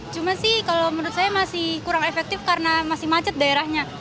cuma sih kalau menurut saya masih kurang efektif karena masih macet daerahnya